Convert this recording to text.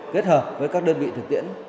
kết hợp với các đơn vị thực tiễn